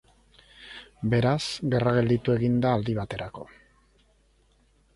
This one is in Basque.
Beraz, gerra gelditu egin da aldi baterako.